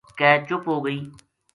کے چُپ ہو گئی